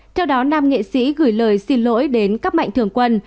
theo đó nam nghệ sĩ gửi lời xin lỗi đến các mạnh thường quân